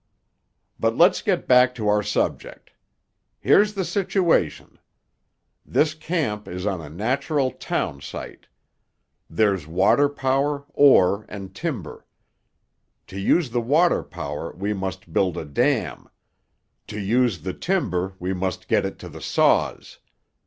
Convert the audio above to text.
"But let's get back to our subject. Here's the situation: This camp is on a natural town site. There's water power, ore and timber. To use the water power we must build a dam; to use the timber we must get it to the saws.